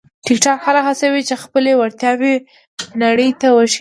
ټیکټاک خلک هڅوي چې خپلې وړتیاوې نړۍ ته وښيي.